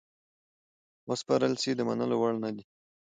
وسپارل سي د منلو وړ نه دي.